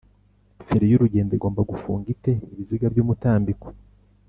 feri y’urugendo igomba gufunga ite ibiziga by’umutambiko